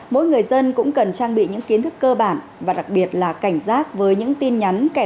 mỗi người dân cũng cần trang bị những kiến thức cơ bản và đặc biệt là cảnh giác với những tin nhắn